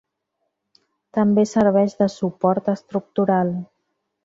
També serveix de suport estructural.